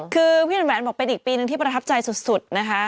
คือพี่แหวนบอกเป็นอีกปีหนึ่งที่ประทับใจสุดนะคะ